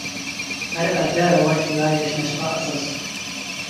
ھەر ئەلدە راۋاج ۋە ياشناشقا ئاساس.